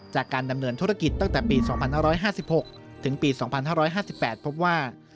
จากการดำเนินธุรกิจตั้งแต่ปี๒๕๕๖ถึงปี๒๕๕๘พบว่า